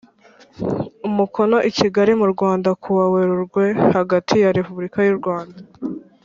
umukono i Kigali mu Rwanda kuwa Werurwe hagati ya Repubulika y u Rwanda